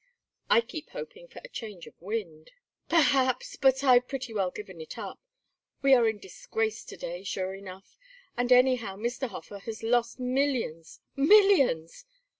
"I keep hoping for a change of wind." "Perhaps, but I've pretty well given it up. We are in disgrace to day, sure enough. And anyhow Mr. Hofer has lost millions, millions!